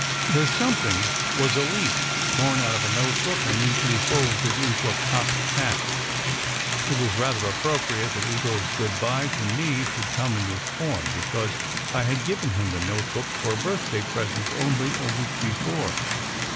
The "something" was a leaf torn out of a notebook and neatly folded into a cocked hat. It was rather appropriate that Eagle s good bye to me should come in this form, be cause I had given him the notebook for a birthday present only the week before.